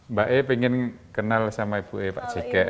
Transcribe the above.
mbak e ingin kenal sama ibu e pak cikek